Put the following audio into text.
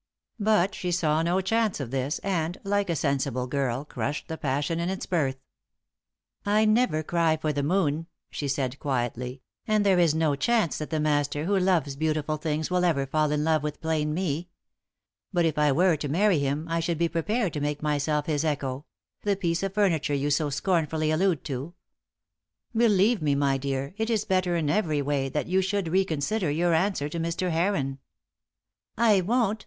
But she saw no chance of this, and, like a sensible girl, crushed the passion in its birth. "I never cry for the moon," she said, quietly "and there is no chance that the Master, who loves beautiful things, will ever fall in love with plain me. But if I were to marry him I should be prepared to make myself his echo the piece of furniture you so scornfully allude to. Believe me, my dear, it is better in every way that you should reconsider your answer to Mr. Heron." "I won't!